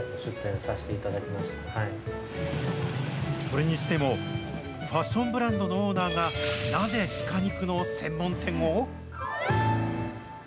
それにしても、ファッションブランドのオーナーが、なぜシカ肉の専門店を？